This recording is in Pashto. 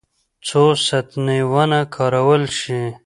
څو ستنې ونه کارول شي.